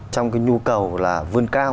trong cái nhu cầu là vươn cao